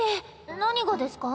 何がですか？